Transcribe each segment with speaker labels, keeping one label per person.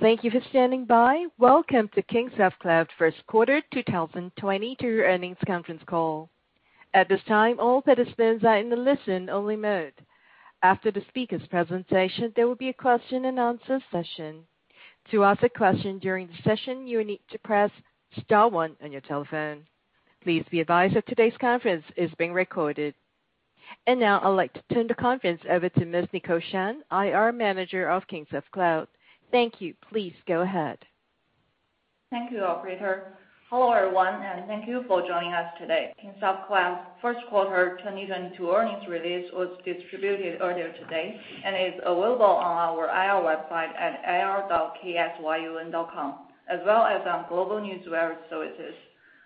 Speaker 1: Thank you for standing by. Welcome to Kingsoft Cloud first quarter 2022 earnings conference call. At this time, all participants are in the listen only mode. After the speakers presentation, there will be a question and answer session. To ask a question during the session, you will need to press star one on your telephone. Please be advised that today's conference is being recorded. Now I'd like to turn the conference over to Ms. Nicole Shan, IR Manager of Kingsoft Cloud. Thank you. Please go ahead.
Speaker 2: Thank you, operator. Hello, everyone, and thank you for joining us today. Kingsoft Cloud first quarter 2022 earnings release was distributed earlier today and is available on our IR website at ir.ksyun.com, as well as on global newswire services.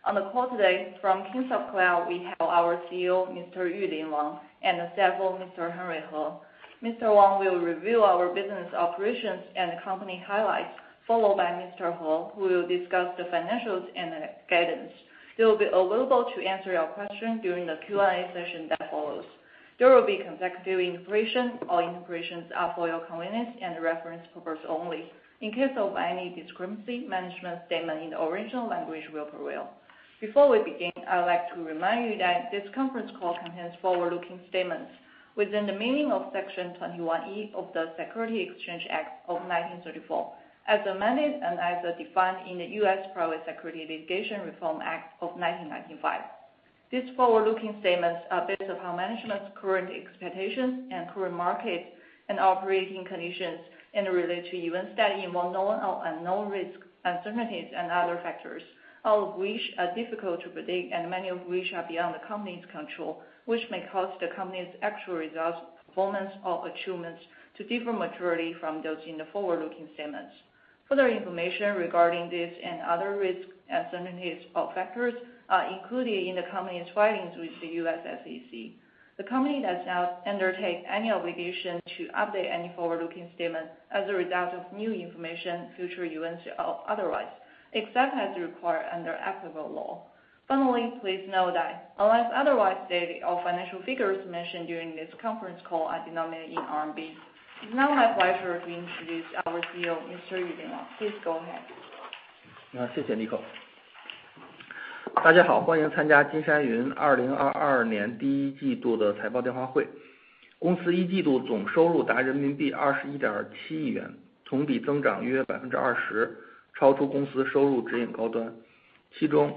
Speaker 2: On the call today from Kingsoft Cloud, we have our CEO, Mr. Yulin Wang, and the CFO, Mr. Haijian He. Mr. Wang will review our business operations and company highlights, followed by Mr. He, who will discuss the financials and the guidance. They will be available to answer your question during the Q&A session that follows. There will be consecutive interpretation. All interpretations are for your convenience and reference purposes only. In case of any discrepancy, management's statement in the original language will prevail. Before we begin, I'd like to remind you that this conference call contains forward-looking statements within the meaning of Section 21E of the Securities Exchange Act of 1934, as amended and as defined in the U.S. Private Securities Litigation Reform Act of 1995. These forward-looking statements are based upon management's current expectations and current market and operating conditions and relate to events that involve known or unknown risks, uncertainties and other factors, all of which are difficult to predict and many of which are beyond the company's control, which may cause the company's actual results, performance or achievements to differ materially from those in the forward-looking statements. Further information regarding this and other risks, uncertainties, or factors is included in the company's filings with the U.S. SEC. The company does not undertake any obligation to update any forward-looking statements as a result of new information, future events, or otherwise, except as required under applicable law. Finally, please note that unless otherwise stated, all financial figures mentioned during this conference call are denominated in RMB. It's now my pleasure to introduce our CEO, Mr. Yulin Wang. Please go ahead.
Speaker 3: Thank you,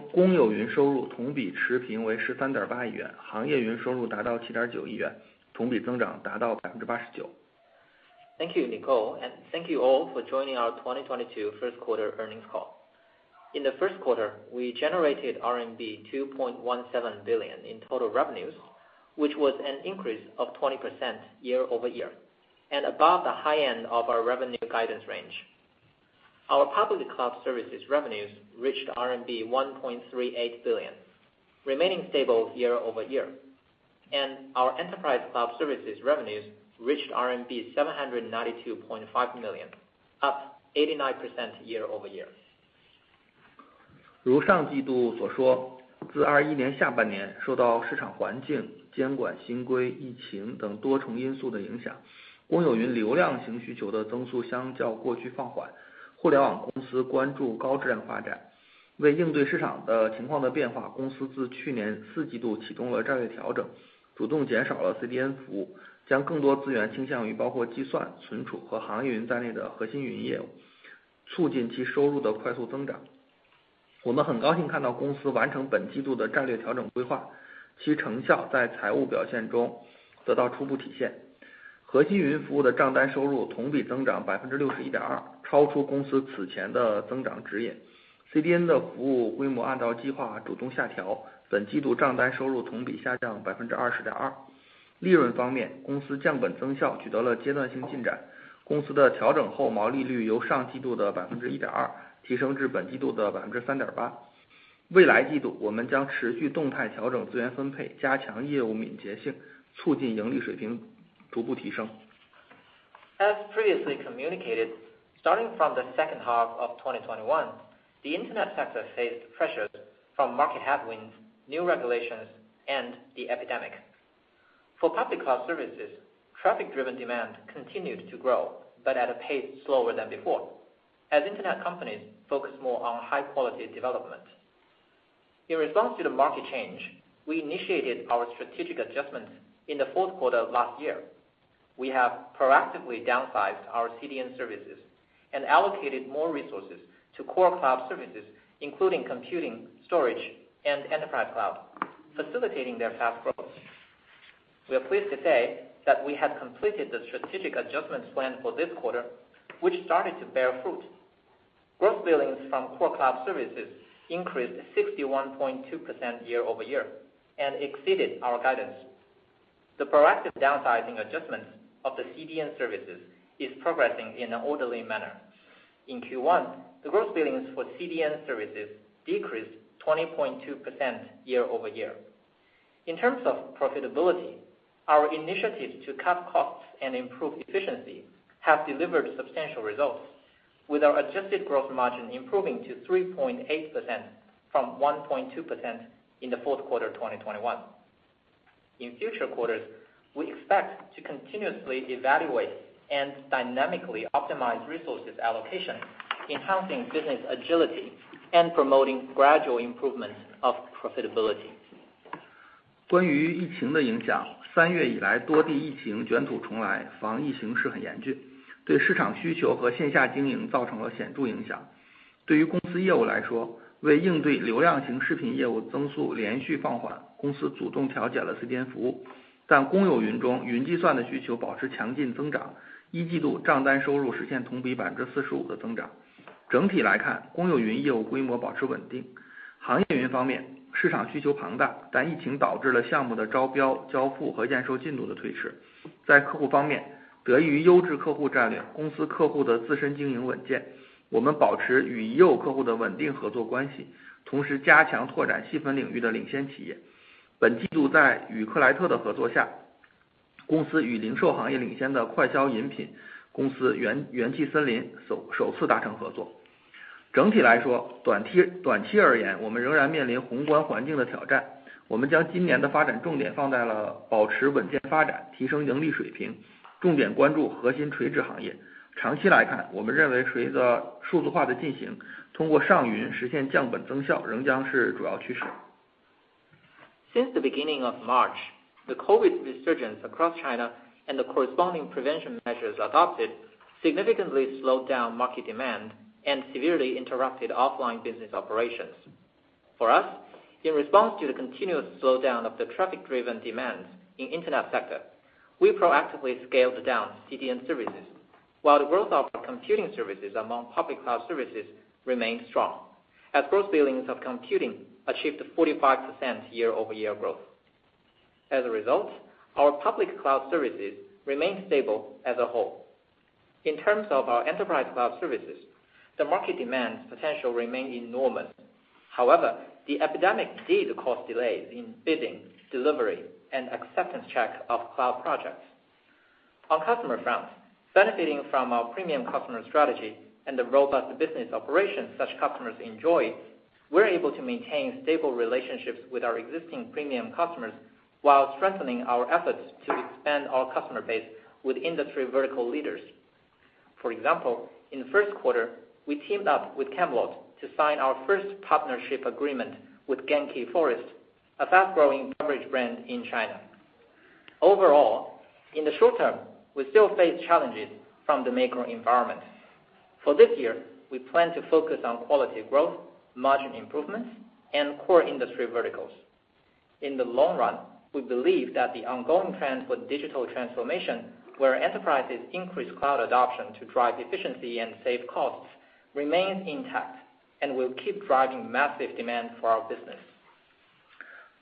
Speaker 3: Nicole, and thank you all for joining our 2022 first quarter earnings call. In the first quarter, we generated RMB 2.17 billion in total revenues, which was an increase of 20% year-over-year, and above the high end of our revenue guidance range. Our public cloud services revenues reached RMB 1.38 billion, remaining stable year-over-year. Our enterprise cloud services revenues reached RMB 792.5 million, up 89% year-over-year. As previously communicated, starting from the second half of 2021, the Internet sector faced pressures from market headwinds, new regulations, and the epidemic. For public cloud services, traffic-driven demand continued to grow, but at a pace slower than before, as Internet companies focus more on high-quality development. In response to the market change, we initiated our strategic adjustments in the fourth quarter of last year. We have proactively downsized our CDN services and allocated more resources to core cloud services, including computing, storage, and enterprise cloud, facilitating their fast growth. We are pleased to say that we have completed the strategic adjustments plan for this quarter, which has started to bear fruit. Gross billings from core cloud services increased 61.2% year-over-year and exceeded our guidance. The proactive downsizing adjustments of the CDN services are progressing in an orderly manner. In Q1, the gross billings for CDN services decreased 20.2% year-over-year. In terms of profitability, our initiatives to cut costs and improve efficiency have delivered substantial results, with our adjusted gross margin improving to 3.8% from 1.2% in the fourth quarter of 2021. In future quarters, we expect to continuously evaluate and dynamically optimize resource allocation, enhancing business agility and promoting gradual improvement of profitability. Since the beginning of March, the COVID resurgence across China and the corresponding prevention measures adopted significantly slowed down market demand, and severely interrupted offline business operations. For us, in response to the continuous slowdown of the traffic-driven demands in the internet sector, we proactively scaled down CDN services, while the growth of our computing services among public cloud services remained strong, as gross billings of computing achieved 45% year-over-year growth. As a result, our public cloud services remained stable as a whole. In terms of our enterprise cloud services, the market demand potential remained enormous. However, the epidemic did cause delays in bidding, delivery, and acceptance checks of cloud projects. On customer front, benefiting from our premium customer strategy and the robust business operations that such customers enjoy, we're able to maintain stable relationships with our existing premium customers while strengthening our efforts to expand our customer base with industry vertical leaders. For example, in the first quarter, we teamed up with Camelot to sign our first partnership agreement with Genki Forest, a fast-growing beverage brand in China. Overall, in the short term, we still face challenges from the macro environment. For this year, we plan to focus on quality growth, margin improvements, and core industry verticals. In the long run, we believe that the ongoing trend for digital transformation, where enterprises increase cloud adoption to drive efficiency and save costs, remains intact and will keep driving massive demand for our business.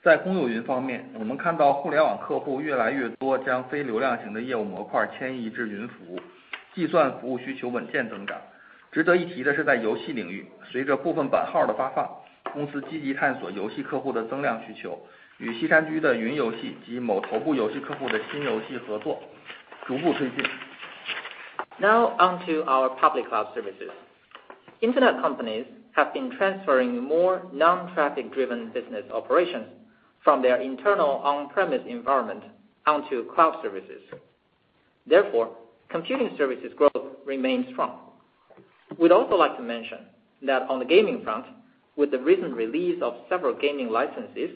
Speaker 4: 在公有云方面，我们看到互联网客户越来越多，将非流量型的业务模块迁移至云服务，计算服务需求稳健增长。值得一提的是，在游戏领域，随着部分版号的发放，公司积极探索游戏客户的增量需求，与西山居的云游戏及某头部游戏客户的新游戏合作逐步推进。
Speaker 3: Now on to our public cloud services. Internet companies have been transferring more non-traffic-driven business operations from their internal on-premise environment to cloud services. Therefore, computing services growth remains strong. We'd also like to mention that on the gaming front, with the recent release of several gaming licenses,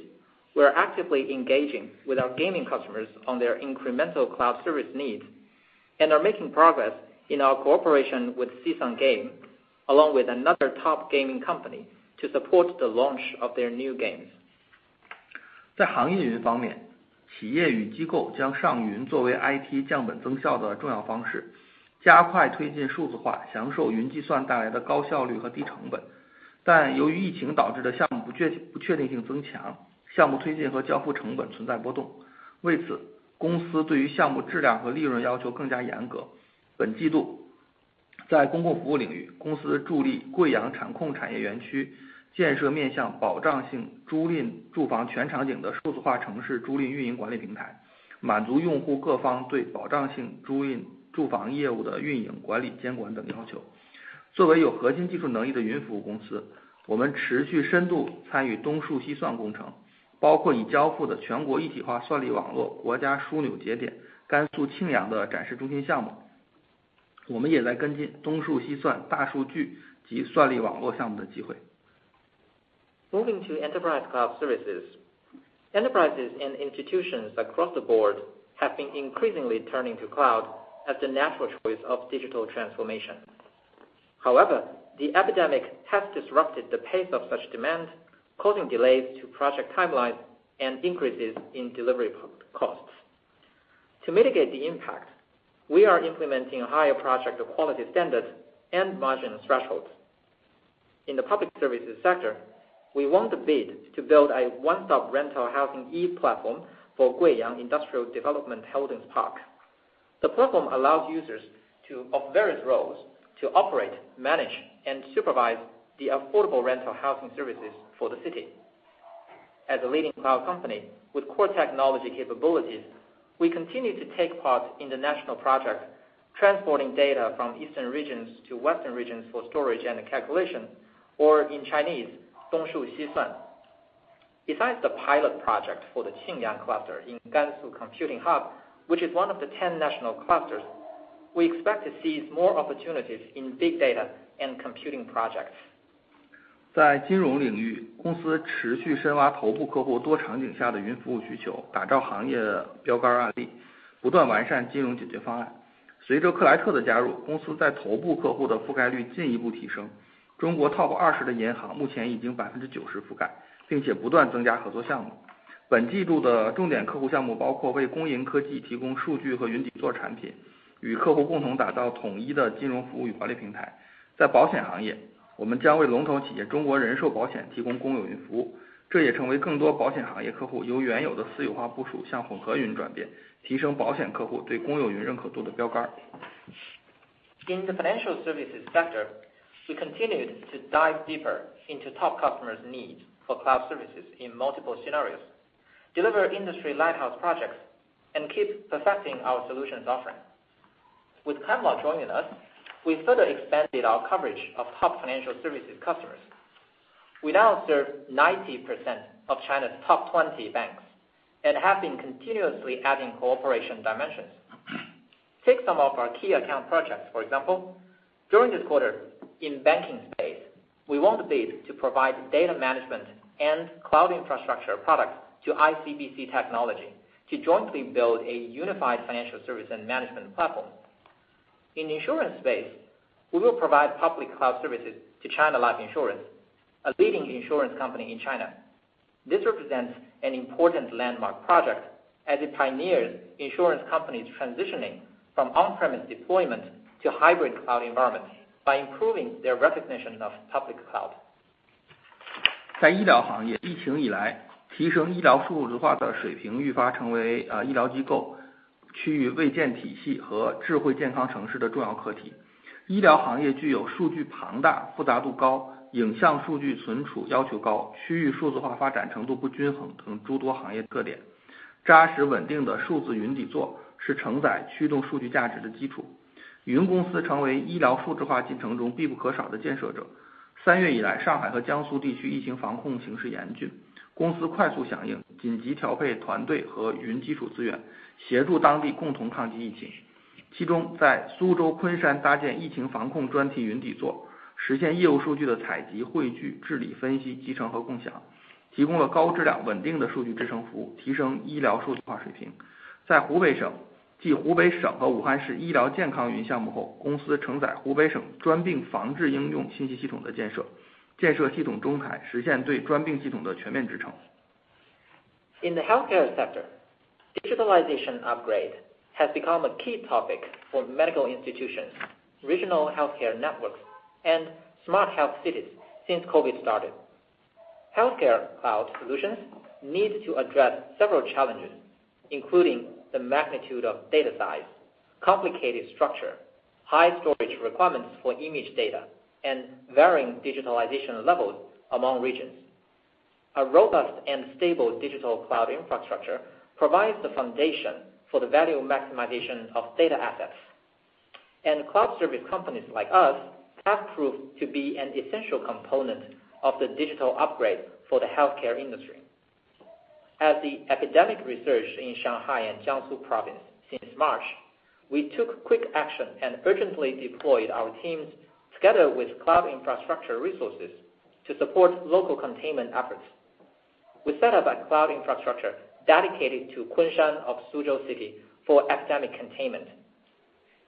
Speaker 3: we are actively engaging with our gaming customers on their incremental cloud service needs and are making progress in our cooperation with Seasun Game, along with another top gaming company, to support the launch of their new games. Moving to enterprise cloud services. Enterprises and institutions across the board have been increasingly turning to the cloud as the natural choice of digital transformation. However, the epidemic has disrupted the pace of such demand, causing delays to project timelines and increases in delivery costs. To mitigate the impact, we are implementing higher project quality standards and margin thresholds. In the public services sector, we won the bid to build a one-stop rental housing e-platform for Guiyang Industrial Development Holdings Group. The platform allows users of various roles to operate, manage, and supervise the affordable rental housing services for the city. As a leading cloud company with core technology capabilities, we continue to take part in the national project, transporting data from eastern regions to western regions for storage and calculation, or in Chinese, 东数西算. Besides the pilot project for the Xinjiang cluster in Gansu Computing Hub, which is one of the 10 national clusters, we expect to see more opportunities in big data and computing projects. In the financial services sector, we continued to dive deeper into top customers' needs for cloud services in multiple scenarios, deliver industry lighthouse projects, and keep perfecting our solutions offering. With Camelot joining us, we further expanded our coverage of top financial services customers. We now serve 90% of China's top 20 banks and have been continuously adding cooperation dimensions. Take some of our key account projects, for example. During this quarter in the banking space, we won the bid to provide data management and cloud infrastructure products to ICBC Technology to jointly build a unified financial service and management platform. In the insurance space, we will provide public cloud services to China Life Insurance, a leading insurance company in China. This represents an important landmark project as it pioneers insurance companies transitioning from on-premise deployment to hybrid cloud environments by improving their recognition of public cloud. In the healthcare sector, digitalization upgrade has become a key topic for medical institutions, regional healthcare networks, and smart health cities since COVID-19 started. Healthcare cloud solutions need to address several challenges, including the magnitude of data size, complicated structure, high storage requirements for image data, and varying digitalization levels among regions. A robust and stable digital cloud infrastructure provides the foundation for the value maximization of data assets. Cloud service companies like us have proved to be an essential component of the digital upgrade for the healthcare industry. As the epidemic resurged in Shanghai and Jiangsu Province since March, we took quick action and urgently deployed our teams together with cloud infrastructure resources to support local containment efforts. We set up a cloud infrastructure dedicated to Kunshan of Suzhou City for epidemic containment.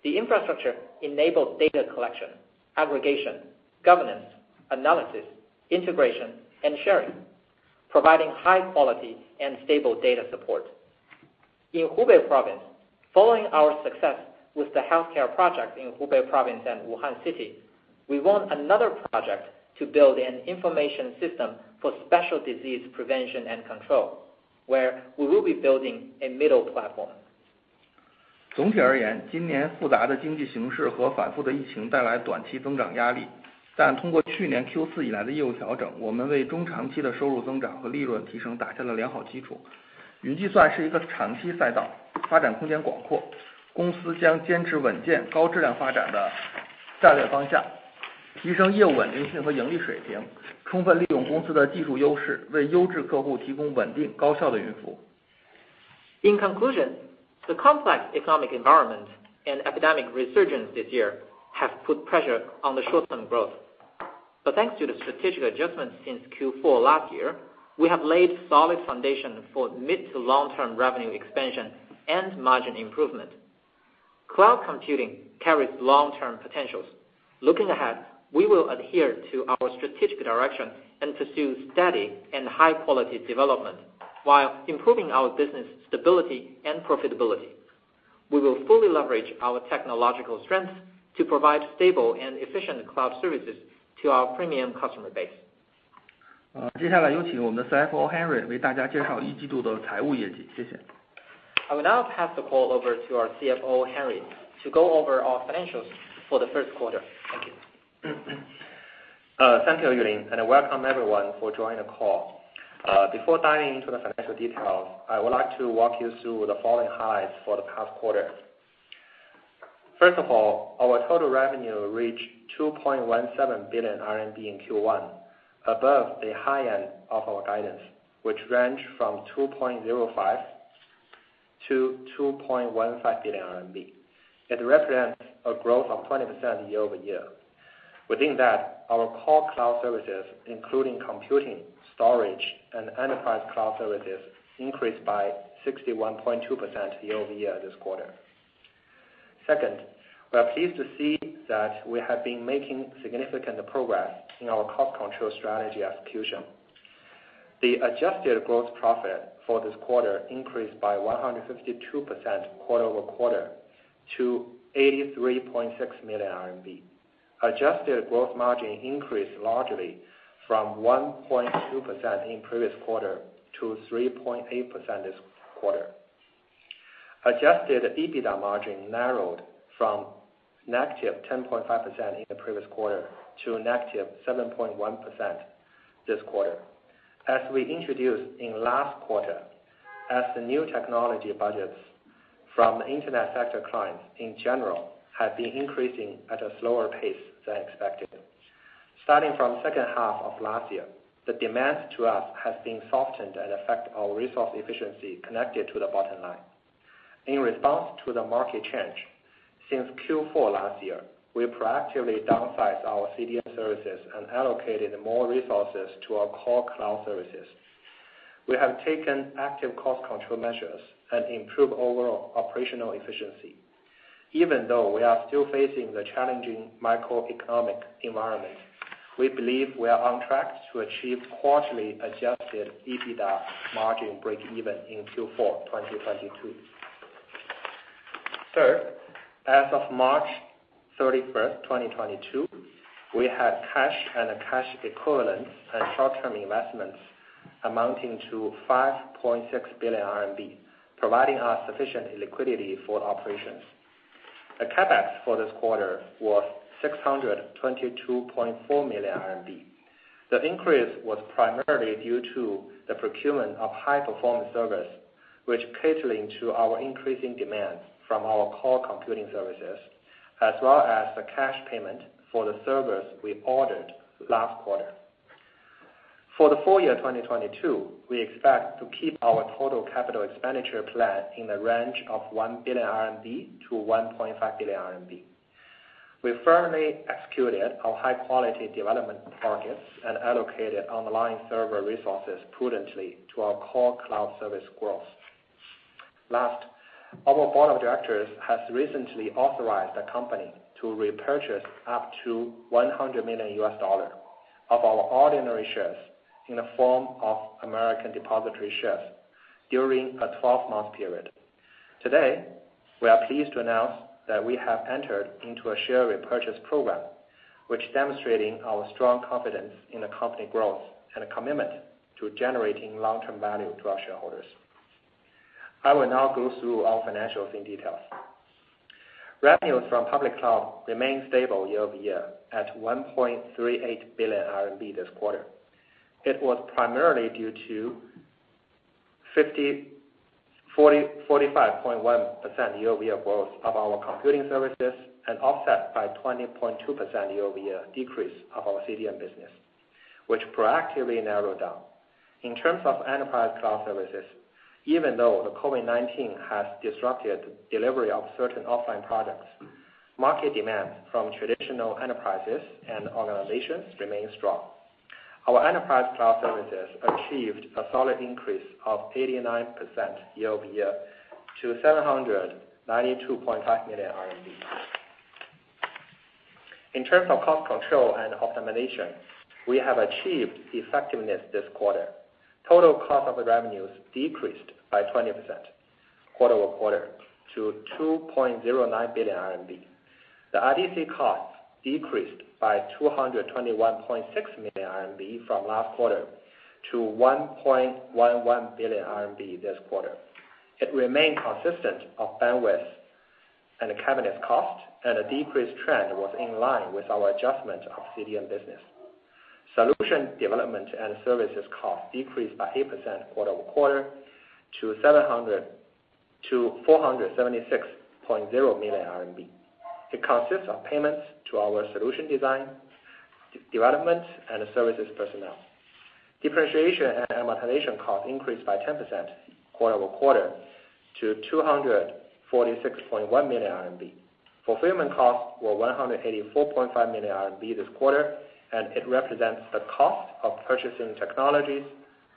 Speaker 3: The infrastructure enables data collection, aggregation, governance, analysis, integration, and sharing, providing high-quality and stable data support. In Hubei Province, following our success with the healthcare project in Hubei Province and Wuhan City, we won another project to build an information system for special disease prevention and control, where we will be building a middle platform.
Speaker 4: 总体而言，今年复杂的经济形势和反复的疫情带来短期增长压力，但通过去年Q4以来的业务调整，我们为中长期的收入增长和利润提升打下了良好基础。云计算是一个长期赛道，发展空间广阔。公司将坚持稳健高质量发展的战略方向，提升业务稳定性和盈利水平，充分利用公司的技术优势，为优质客户提供稳定高效的云服务。
Speaker 3: In conclusion, the complex economic environment and epidemic resurgence this year have put pressure on the short-term growth. Thanks to the strategic adjustments since Q4 last year, we have laid a solid foundation for mid to long-term revenue expansion and margin improvement. Cloud computing carries long-term potential. Looking ahead, we will adhere to our strategic direction and pursue steady and high-quality development, while improving our business stability and profitability. We will fully leverage our technological strengths to provide stable and efficient cloud services to our premium customer base.
Speaker 4: 接下来有请我们的CFO Henry为大家介绍一季度的财务业绩，谢谢。
Speaker 3: I will now pass the call over to our CFO, Henry, to go over our financials for the first quarter. Thank you.
Speaker 5: Thank you, Yulin, and welcome everyone for joining the call. Before diving into the financial details, I would like to walk you through the following highlights for the past quarter. First of all, our total revenue reached 2.17 billion RMB in Q1, above the high end of our guidance, which range from 2.05 billion-2.15 billion RMB. It represents a growth of 20% year-over-year. Within that, our core cloud services, including computing, storage, and enterprise cloud services, increased by 61.2% year-over-year this quarter. Second, we are pleased to see that we have been making significant progress in our cost control strategy execution. The adjusted gross profit for this quarter increased by 152% quarter-over-quarter to 83.6 million RMB. Adjusted gross margin increased largely from 1.2% in the previous quarter to 3.8% this quarter. Adjusted EBITDA margin narrowed from -10.5% in the previous quarter to -7.1% this quarter. As we introduced in the last quarter, the new technology budgets from Internet sector clients in general have been increasing at a slower pace than expected. Starting from the second half of last year, the demands on us have been softened and affect our resource efficiency, connected to the bottom line. In response to the market change, since Q4 last year, we proactively downsized our CDN services and allocated more resources to our core cloud services. We have taken active cost control measures and improved overall operational efficiency. Even though we are still facing the challenging macroeconomic environment, we believe we are on track to achieve the quarterly Adjusted EBITDA margin breakeven in Q4 2022. Third, as of March 31, 2022, we had cash and cash equivalents and short-term investments amounting to 5.6 billion RMB, providing us sufficient liquidity for operations. The CapEx for this quarter was 622.4 million RMB. The increase was primarily due to the procurement of high-performance servers, which cater to our increasing demands from our core computing services, as well as the cash payment for the servers we ordered last quarter. For the full year 2022, we expect to keep our total capital expenditure plan in the range of 1 billion-1.5 billion RMB. We firmly executed our high-quality development projects and allocated online server resources prudently to our core cloud service growth. Last, our board of directors has recently authorized the company to repurchase up to $100 million of our ordinary shares in the form of American depository shares during a 12-month period. Today, we are pleased to announce that we have entered into a share repurchase program, which demonstrates our strong confidence in the company's growth and our commitment to generating long-term value for our shareholders. I will now go through our financials in detail. Revenues from public cloud remained stable year-over-year at 1.38 billion RMB this quarter. It was primarily due to 45.1% year-over-year growth of our computing services, and offset by 20.2% year-over-year decrease of our CDN business, which proactively narrowed down. In terms of enterprise cloud services, even though COVID-19 has disrupted the delivery of certain offline products, market demand from traditional enterprises and organizations remains strong. Our enterprise cloud services achieved a solid increase of 89% year-over-year to RMB 792.5 million. In terms of cost control and optimization, we have achieved effectiveness this quarter. Total cost of revenues decreased by 20% quarter-over-quarter to 2.09 billion RMB. The IDC costs decreased by 221.6 million RMB from last quarter to 1.11 billion RMB this quarter. It remained consistent in bandwidth and cabinet cost, and the decreased trend was in line with our adjustment of the CDN business. Solution development and services cost decreased by 8% quarter-over-quarter to 476.0 million RMB. It consists of payments to our solution design, development, and services personnel. Depreciation and amortization costs increased by 10% quarter-over-quarter to 246.1 million RMB. Fulfillment costs were 184.5 million RMB this quarter, and it represents the cost of purchasing technologies,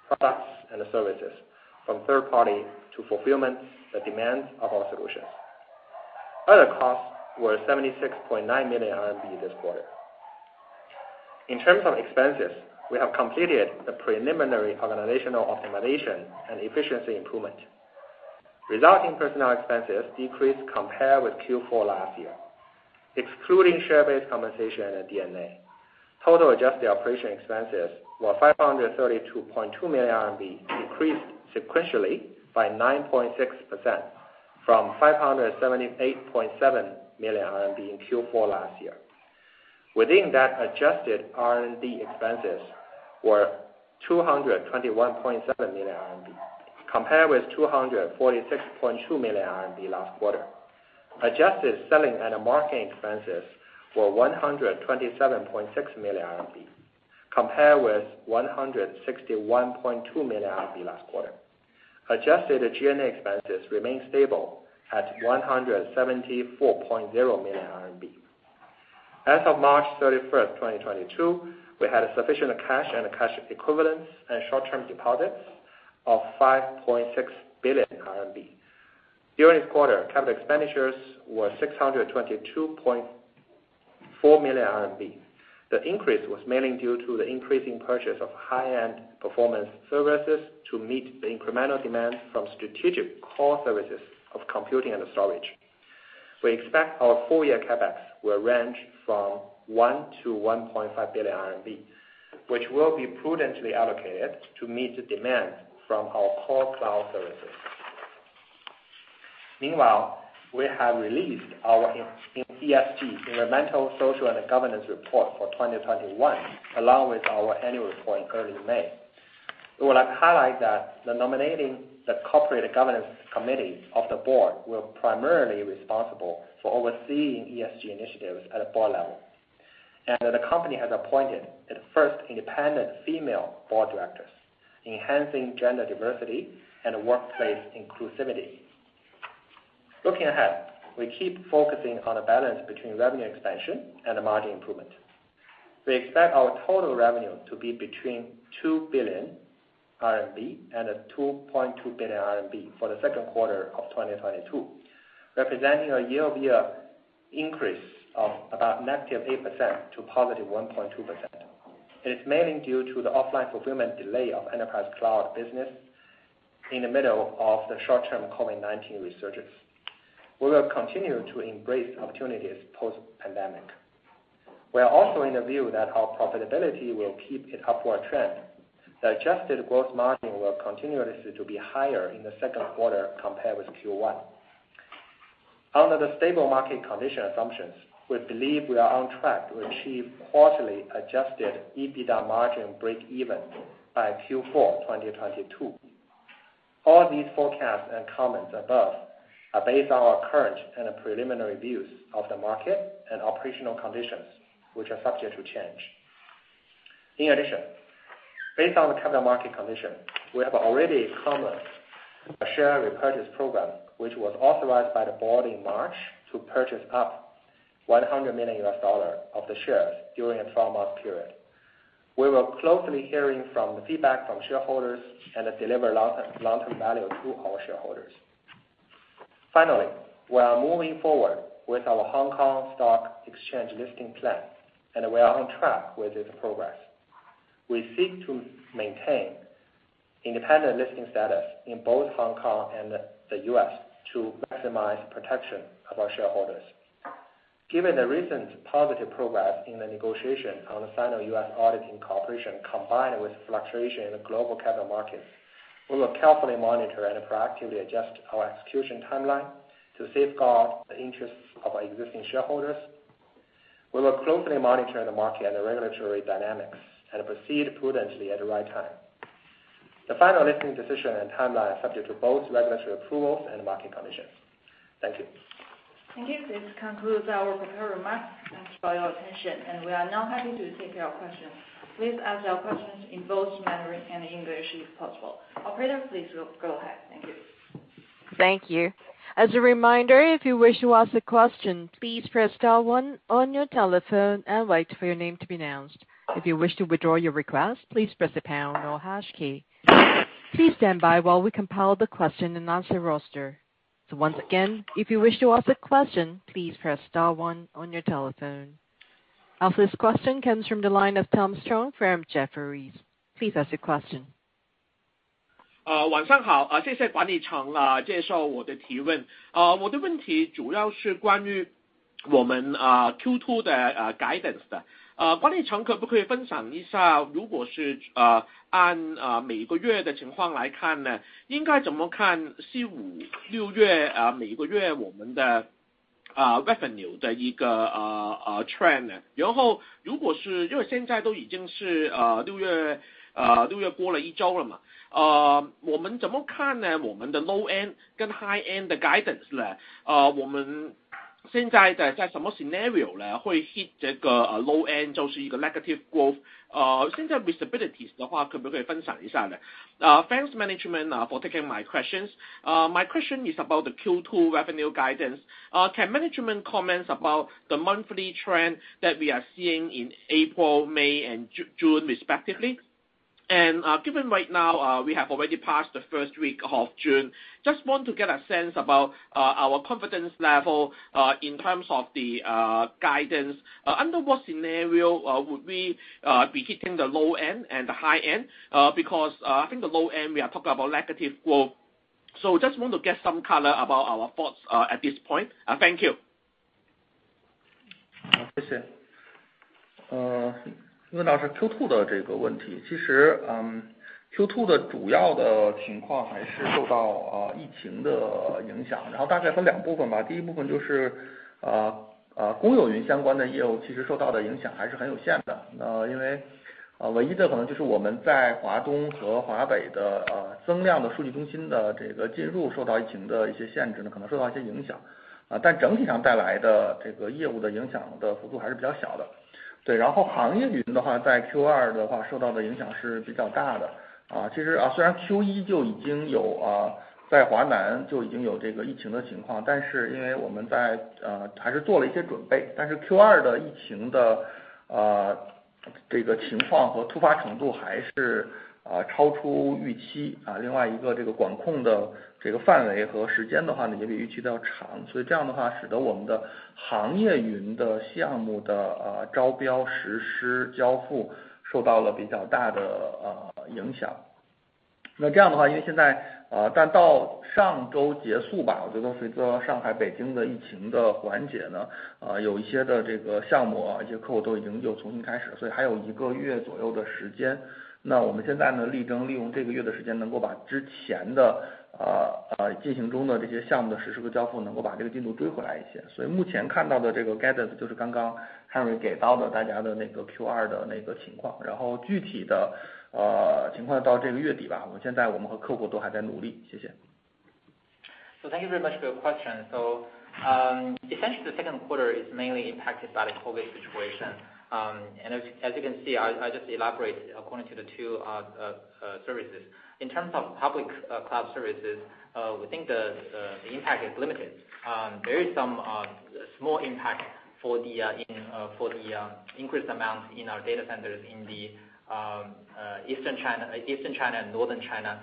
Speaker 5: products, and services from third parties to fulfill the demands of our solutions. Other costs were 76.9 million RMB this quarter. In terms of expenses, we have completed the preliminary organizational optimization and efficiency improvement, resulting in personnel expenses decreased compared with Q4 last year. Excluding share-based compensation and D&A, total adjusted operating expenses were 532.2 million RMB, decreased sequentially by 9.6% from 578.7 million RMB in Q4 last year. Adjusted R&D expenses were 221.7 million RMB compared with 246.2 million RMB last quarter. Adjusted selling and marketing expenses were 127.6 million RMB compared with 161.2 million RMB last quarter. Adjusted G&A expenses remain stable at 174.0 million RMB. As of March thirty-first, 2022, we had sufficient cash and cash equivalents and short-term deposits of 5.6 billion RMB. During this quarter, capital expenditures were 622.4 million RMB. The increase was mainly due to the increasing purchase of high-end performance services to meet the incremental demand from strategic core services of computing and storage. We expect our full-year CapEx to range from 1 billion to 1.5 billion RMB, which will be prudently allocated to meet the demand from our core cloud services. Meanwhile, we have released our ESG, Environmental, Social, and Governance report for 2021, along with our annual report in early May. We would like to highlight that the nominating and corporate governance committee of the board is primarily responsible for overseeing ESG initiatives at a board level. The company has appointed its first independent female board director, enhancing gender diversity and workplace inclusivity. Looking ahead, we keep focusing on the balance between revenue expansion and margin improvement. We expect our total revenue to be between 2 billion RMB and 2.2 billion RMB for the second quarter of 2022, representing a year-over-year increase of about -8% to +1.2%. It's mainly due to the offline fulfillment delay of enterprise cloud business in the middle of the short-term COVID-19 resurgence. We will continue to embrace opportunities post-pandemic. We are also in the view that our profitability will keep its upward trend. The adjusted gross margin will continuously to be higher in the second quarter compared with Q1. Under the stable market condition assumptions, we believe we are on track to achieve quarterly Adjusted EBITDA margin breakeven by Q4 2022. All these forecasts and comments above are based on our current and preliminary views of the market and operational conditions, which are subject to change. In addition, based on the capital market condition, we have already commenced a share repurchase program, which was authorized by the board in March to purchase up to $100 million of the shares during a twelve-month period. We will closely heed the feedback from shareholders and deliver long-term value to our shareholders. Finally, we are moving forward with our Hong Kong Stock Exchange listing plan, and we are on track with this progress. We seek to maintain independent listing status in both Hong Kong and the U.S. to maximize protection of our shareholders. Given the recent positive progress in the negotiation on the Sino-U.S. auditing cooperation, combined with fluctuation in the global capital markets, we will carefully monitor and proactively adjust our execution timeline to safeguard the interests of our existing shareholders. We will closely monitor the market and the regulatory dynamics and proceed prudently at the right time. The final listing decision and timeline are subject to both regulatory approvals and market conditions. Thank you.
Speaker 6: Thank you. This concludes our prepared remarks. Thanks for your attention, and we are now happy to take your questions. Please ask your questions in both Mandarin and English if possible. Operator, please go ahead. Thank you.
Speaker 1: Thank you. As a reminder, if you wish to ask a question, please press star one on your telephone and wait for your name to be announced. If you wish to withdraw your request, please press the pound or hash key. Please stand by while we compile the question-and-answer roster. Once again, if you wish to ask a question, please press star one on your telephone. Our first question comes from the line of Thomas Chong from Jefferies. Please ask your question.
Speaker 7: Thanks, management, for taking my questions. My question is about the Q2 revenue guidance. Can management comment about the monthly trend that we are seeing in April, May, and June, respectively? Given right now we have already passed the first week of June, I just want to get a sense about our confidence level in terms of the guidance. Under what scenario would we be hitting the low end and the high end? Because I think the low end, we are talking about negative growth. Just want to get some color about our thoughts at this point. Thank you.
Speaker 3: Thank you very much for your question. Essentially the second quarter is mainly impacted by the COVID situation. As you definitely see, I just elaborate according to the two services. In terms of public cloud services, we think the impact is limited. There is some small impact for the increased amount in our data centers in the eastern China and northern China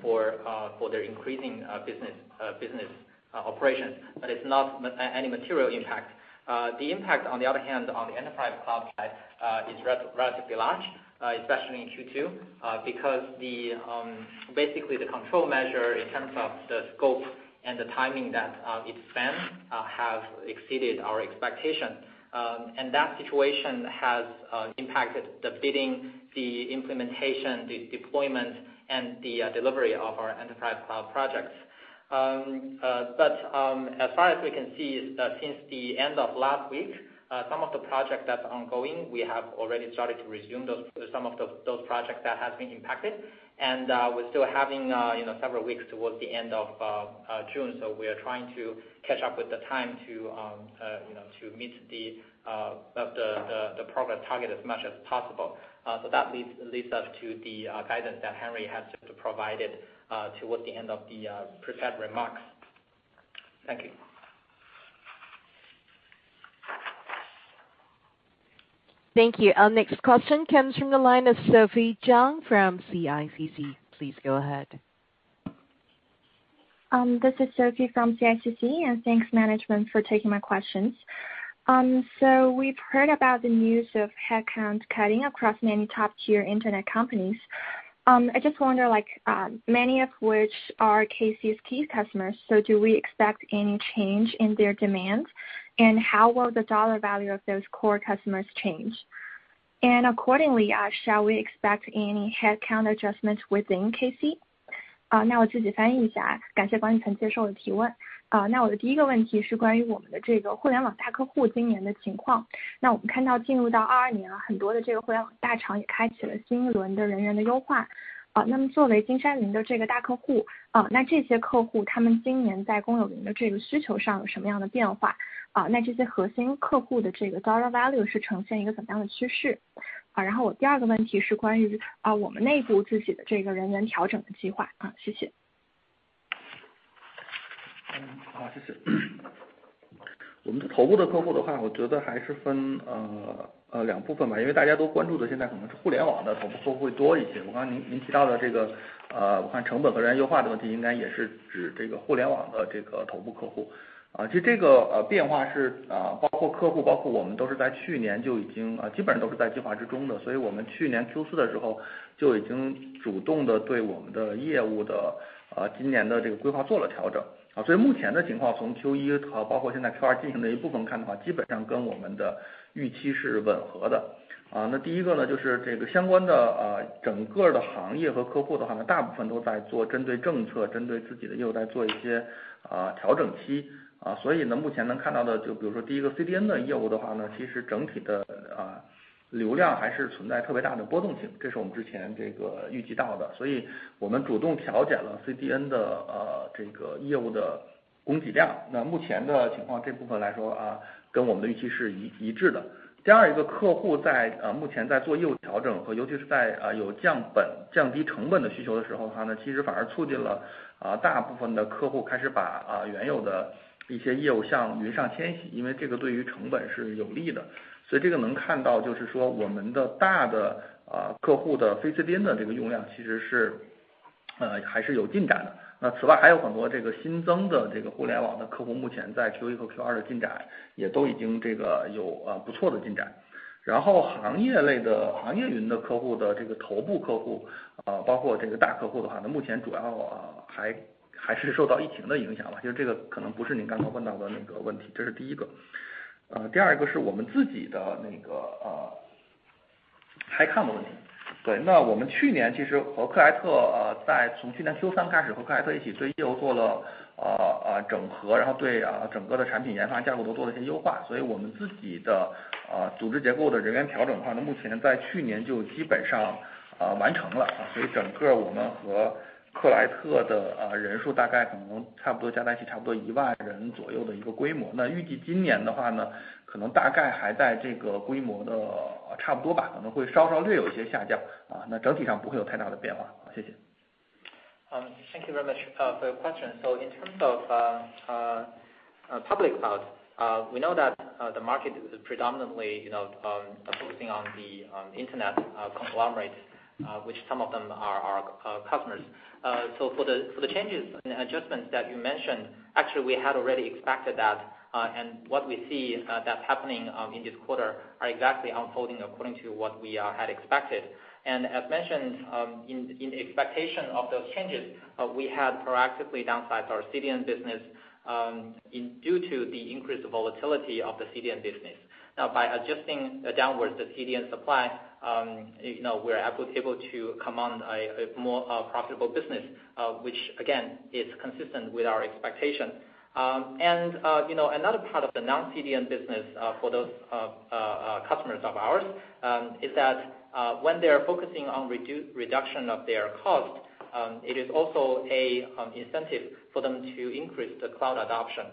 Speaker 3: for their increasing business operations. But it's not any material impact. The impact on the other hand, on the enterprise cloud side, is relatively large, especially in Q2, because basically the control measure in terms of the scope and the timing that it spans have exceeded our expectation. That situation has impacted the bidding, the implementation, deployment and the delivery of our enterprise cloud projects. As far as we can see, since the end of last week, some of the projects that are ongoing, we have already started to resume those projects that have been impacted. We're still having, you know, several weeks towards the end of June. We are trying to catch up with the time to, you know, to meet the progress target as much as possible. That leads us to the guidance that Henry has provided towards the end of the prepared remarks. Thank you.
Speaker 1: Thank you. Our next question comes from the line of Xiaodan Zhang from CICC. Please go ahead.
Speaker 8: This is Xiaodan from CICC, and thanks to management for taking my questions. So, we've heard about the news of headcount cutting across many top-tier Internet companies. I just wonder, like, many of which are KC's key customers, so do we expect any change in their demands? And how will the dollar value of those core customers change? And accordingly, shall we expect any headcount adjustments within KC? 那我自己翻译一下。感谢管理层接受我的提问。那我的第一个问题是关于我们的这个互联网大客户今年的情况。那我们看到进入到2022年，很多的这个互联网大厂也开启了新一轮的人员的优化。那么作为金山云的这个大客户，那这些客户他们今年在公有云的这个需求上有什么样的变化？那这些核心客户的这个dollar
Speaker 3: Thank you very much for your question. In terms of public cloud, we know that the market is predominantly, you know, focusing on the internet conglomerates, which some of them are our customers. For the changes and adjustments that you mentioned, actually, we had already expected that. What we see that's happening in this quarter is exactly unfolding according to what we had expected. As mentioned in the expectation of those changes, we had proactively downsized our CDN business due to the increased volatility of the CDN business. Now, by adjusting downwards the CDN supply, you know, we're able to command a more profitable business, which again is consistent with our expectation. You know, another part of the non-CDN business for those customers of ours is that when they are focusing on reducing their costs, it is also an incentive for them to increase the cloud adoption,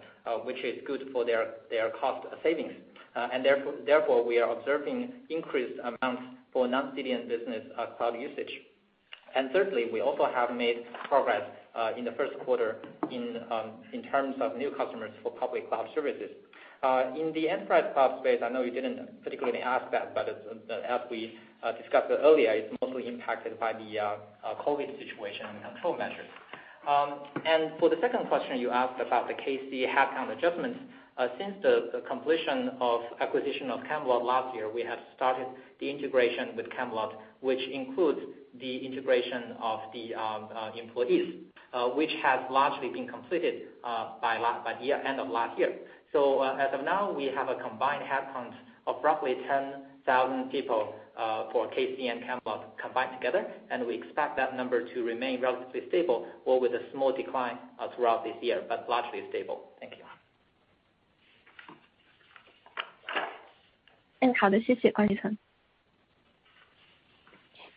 Speaker 3: which is good for their cost savings. Therefore, we are observing increased amounts for non-CDN business cloud usage. Thirdly, we have also made progress in the first quarter in terms of new customers for public cloud services. In the enterprise cloud space, I know you didn't particularly ask that, but as we discussed earlier, it's mostly impacted by the COVID situation and control measures. For the second question, you asked about the KC headcount adjustments. Since the completion of the acquisition of Camelot last year, we have started the integration with Camelot, which includes the integration of the employees, which has largely been completed by the end of last year. As of now, we have a combined headcount of roughly 10,000 people for KC and Camelot combined together, and we expect that number to remain relatively stable or with a small decline throughout this year, but largely stable. Thank you.
Speaker 8: 好的，谢谢管女士。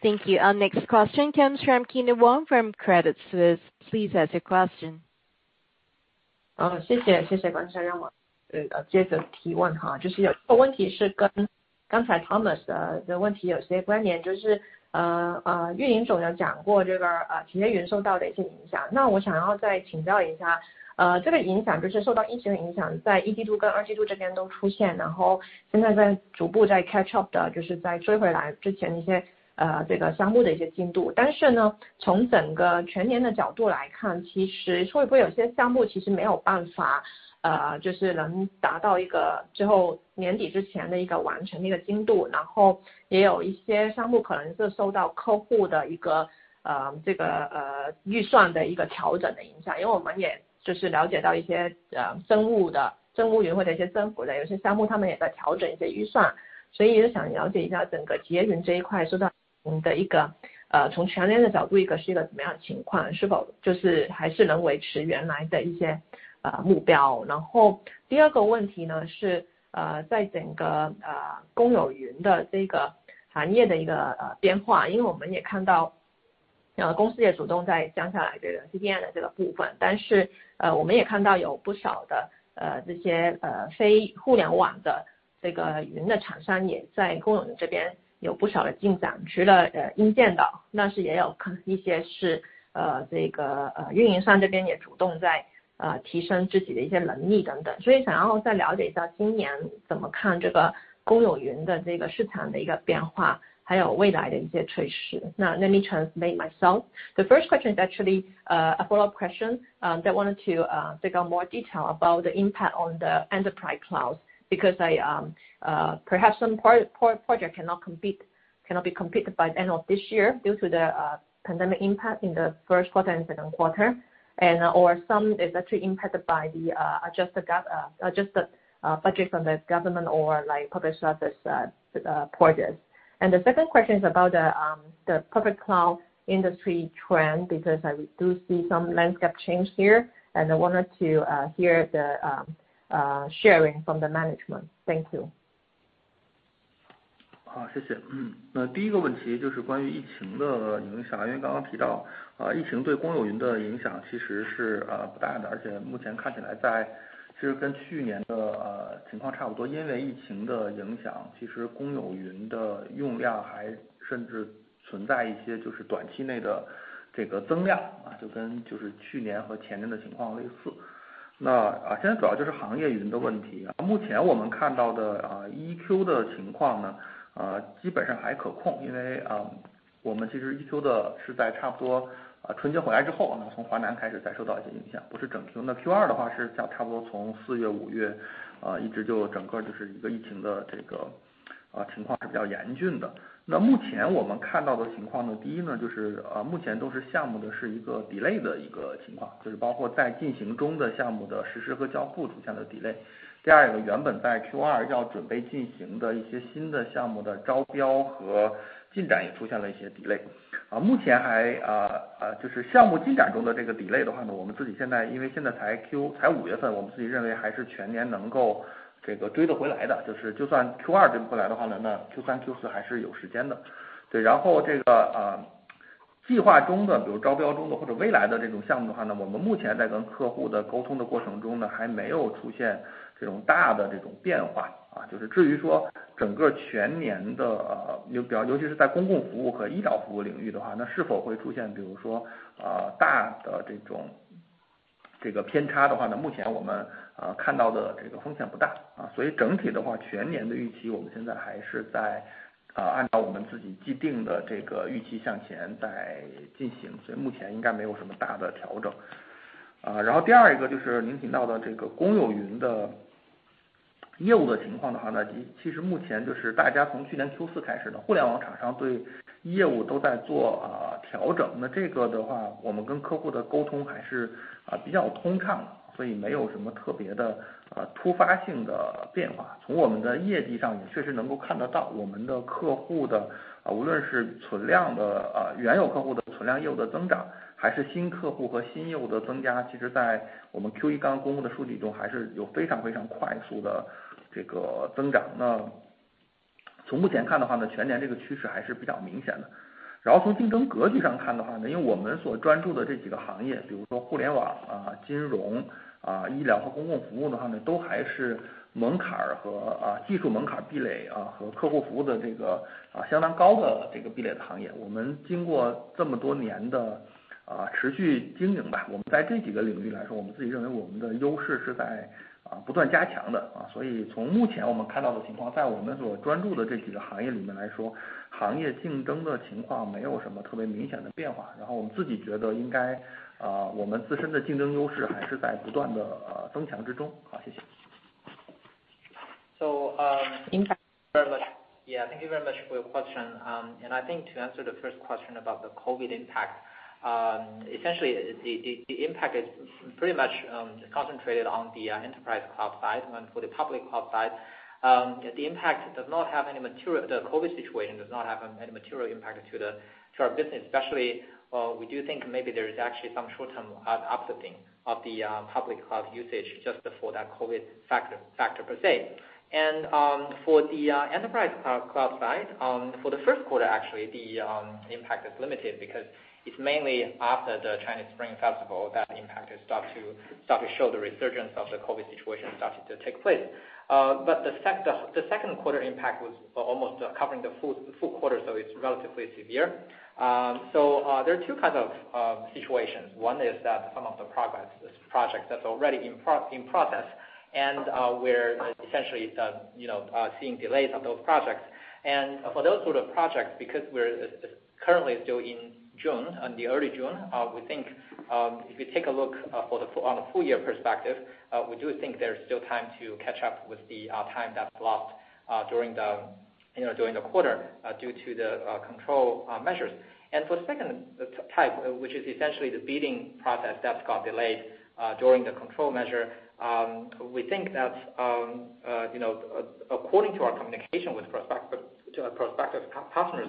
Speaker 1: Thank you. Our next question comes from Kyna Wong from Credit Suisse. Please ask your question.
Speaker 9: Now let me translate myself. The first question is actually a follow-up question that I wanted to seek out more details about the impact on the enterprise cloud, because perhaps some projects cannot be completed by the end of this year due to the pandemic impact in the first quarter and second quarters. Some are actually impacted by the adjusted budget from the government, or like public service projects. The second question is about the public cloud industry trend, because I do see some landscape change here, and I wanted to hear the sharing from the management. Thank you.
Speaker 3: So, um- Impact- Yeah, thank you very much for your question. I think to answer the first question about the COVID impact, essentially, the impact is pretty much concentrated on the enterprise cloud side. While on the public cloud side, the COVID situation does not have any material impact on our business. Especially, we do think maybe there is actually some short-term upside of the public cloud usage, just for that COVID factor, per se. For the enterprise cloud side, for the first quarter, actually, the impact is limited because it's mainly after the Chinese Spring Festival that the impact has started to show, the resurgence of the COVID situation starting to take place. The second quarter impact was almost covering the full quarter, so it's relatively severe. There are two kinds of situations. One is that some of the projects that's already in process and we're essentially you know seeing delays on those projects. For those sorts of projects, because we're currently still in June, in the early June, we think if you take a look at the full year perspective, we do think there's still time to catch up with the time that's lost, during you know, during the quarter due to the control measures. For the second type, which is essentially the bidding process that got delayed during the control measure, we think that you know, according to our communication with our prospective customers,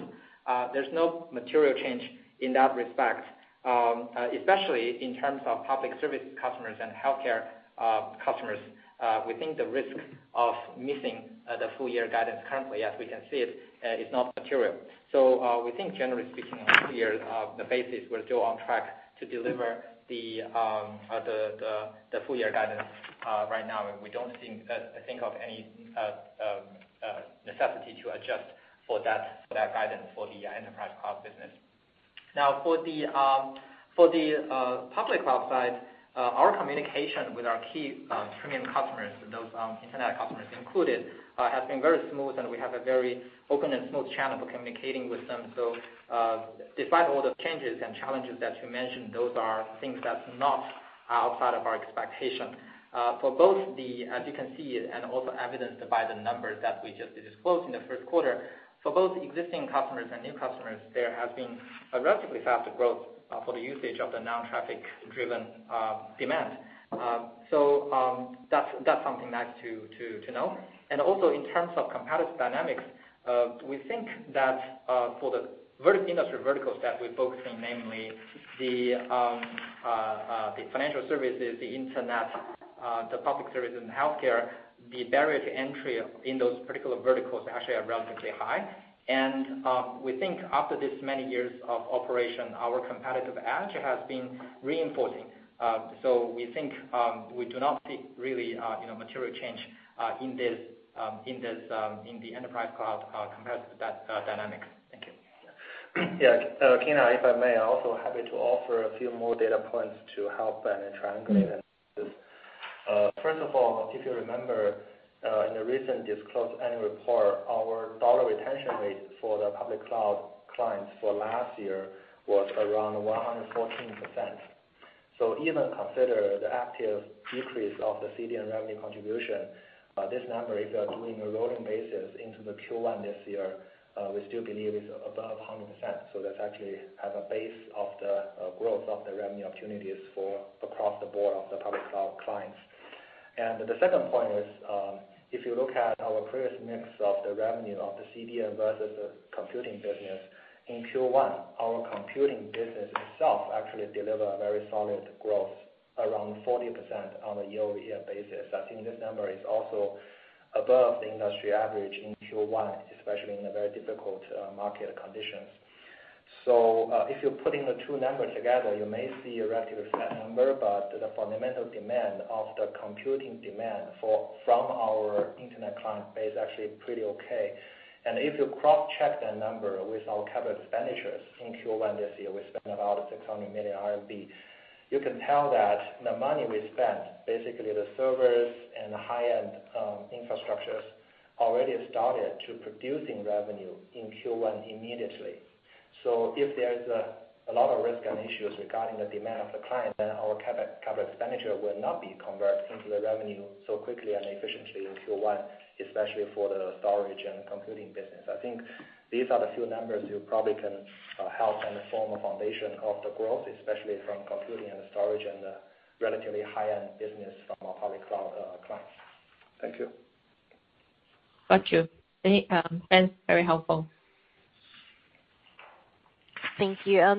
Speaker 3: there's no material change in that respect, especially in terms of public service customers and healthcare customers. We think the risk of missing the full year guidance currently, as we can see it, is not material. We think generally speaking, on a yearly basis, we're still on track to deliver the full year guidance right now. We don't think of any necessity to adjust for that guidance for the enterprise cloud business. Now, for the public cloud side, our communication with our key premium customers, those internet customers included, has been very smooth, and we have a very open and smooth channel for communicating with them. Despite all the changes and challenges that you mentioned, those are things that's not outside of our expectation. For both as you can see, and also evidenced by the numbers that we just disclosed in the first quarter, for both existing customers and new customers, there has been a relatively faster growth for the usage of the non-traffic driven demand. That's something nice to know. Also in terms of competitive dynamics, we think that, for the industry verticals that we're focusing, namely the financial services, the internet, the public service and healthcare, the barrier to entry in those particular verticals actually are relatively high. We think after this many years of operation, our competitive edge has been reinforcing. We think we do not see really, you know, material change in the enterprise cloud competitive dynamic. Thank you.
Speaker 5: Yeah. Kyna, if I may, I also happy to offer a few more data points to help and triangulate this. First of all, if you remember, in the recent disclosed annual report, our dollar retention rate for the public cloud clients for last year was around 114%. Even consider the active decrease of the CDN revenue contribution, this number, if you are doing a rolling basis into the Q1 this year, we still believe it's above 100%. That's actually as a base of the growth of the revenue opportunities for across the board of the public cloud clients. The second point is, if you look at our previous mix of the revenue of the CDN versus the computing business, in Q1, our computing business itself actually deliver a very solid growth, around 40% on a year-over-year basis. I think this number is also above the industry average in Q1, especially in a very difficult market conditions. If you're putting the two numbers together, you may see a relative flat number, but the fundamental demand of the computing demand for from our Internet client base actually pretty okay. If you cross-check the number with our CapEx expenditures in Q1 this year, we spent about 600 million RMB. You can tell that the money we spent, basically the servers and the high-end infrastructures, already started to producing revenue in Q1 immediately. If there is a lot of risk and issues regarding the demand of the client, then our CapEx expenditure will not be converted into the revenue so quickly and efficiently in Q1, especially for the storage and computing business. I think these are the few numbers you probably can help and form a foundation of the growth, especially from computing and storage and the relatively high-end business from our public cloud clients.
Speaker 9: Thank you.
Speaker 1: Thank you. Ben very helpful. Thank you.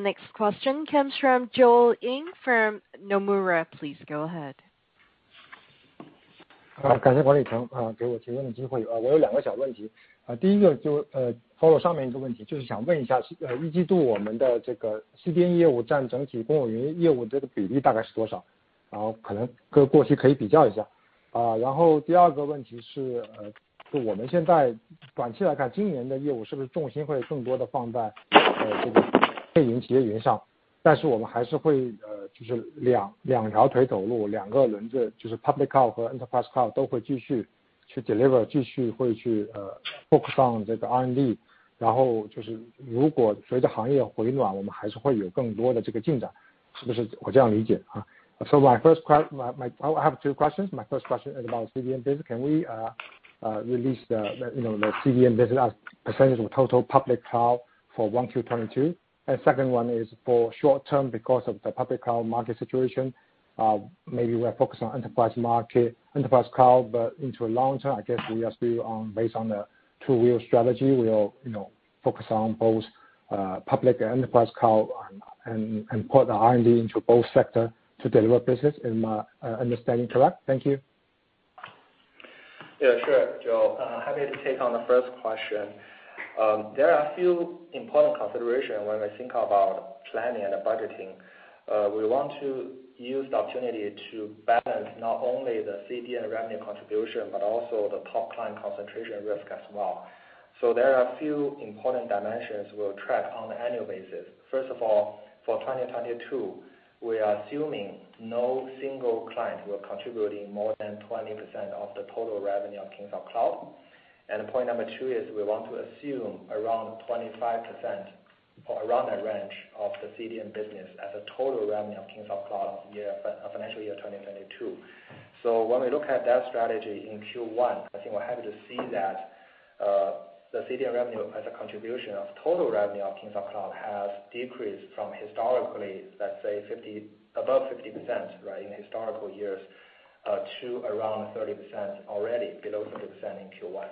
Speaker 1: Our next question comes from Joel Ying from Nomura. Please go ahead.
Speaker 10: 感谢管理层给我提问的机会。我有两个小问题。第一个就是follow上面一个问题，就是想问一下，一季度我们的这个CDN业务占整体公有云业务的比例大概是多少？然后可能跟过去可以比较一下。然后第二个问题是，就我们现在短期来看，今年的业务是不是重心会更多地放在这个企业云上，但是我们还是会就是两条腿走路，两个轮子，就是public cloud和enterprise cloud都会继续去deliver，继续会去focus on这个R&D，然后就是如果随着行业回暖，我们还是会有更多的这个进展，是不是我这样理解？I have two questions. My first question is about CDN business. Can we release the, you know, the CDN business as percentage of total public cloud for 1Q 2022? Second one is for short term, because of the public cloud market situation, maybe we are focused on enterprise market, enterprise cloud, but in the long term, I guess we are still based on the two-wheel strategy, we'll, you know, focus on both, public and enterprise cloud and put the R&D into both sector to deliver business. Is my understanding correct? Thank you.
Speaker 5: Yeah, sure, Joel, happy to take on the first question. There are a few important considerations when we think about planning and budgeting. We want to use the opportunity to balance not only the CDN revenue contribution, but also the top client concentration risk as well. There are a few important dimensions we'll track on annual basis. First of all, for 2022, we are assuming no single client will contribute in more than 20% of the total revenue of Kingsoft Cloud. Point number two is we want to assume around 25% or around the range of the CDN business as a total revenue of Kingsoft Cloud financial year 2022. When we look at that strategy in Q1, I think we're happy to see that the CDN revenue as a contribution of total revenue of Kingsoft Cloud has decreased from historically, let's say above 50% right, in historical years, to around 30% already, below 30% in Q1.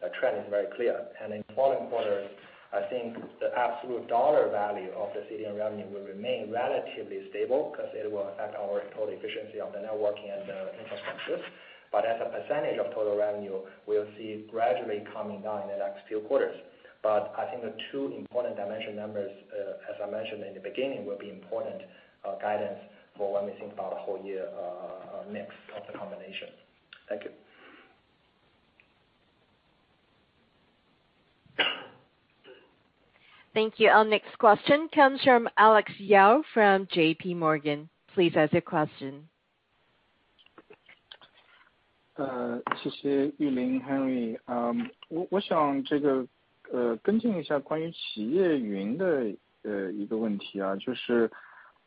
Speaker 5: The trend is very clear. In following quarters, I think the absolute dollar value of the CDN revenue will remain relatively stable, because it will affect our total efficiency of the networking and the infrastructures. As a percentage of total revenue, we'll see gradually coming down the next few quarters. I think the two important dimension numbers, as I mentioned in the beginning, will be important guidance for when we think about the whole year, mix of the combination. Thank you.
Speaker 1: Thank you. Our next question comes from Alex Yao from JPMorgan. Please ask your question.